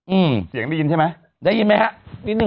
อือเเสียงได้ยินใช่ไหมได้ยินมั้ยคะเรียบร้อยแผง